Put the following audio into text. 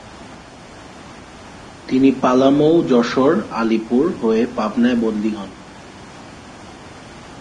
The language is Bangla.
তিনি পালামৌ, যশোর, আলিপুর হয়ে পাবনায় বদলি হন।